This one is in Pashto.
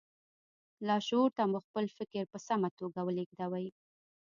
لاشعور ته مو خپل فکر په سمه توګه ولېږدوئ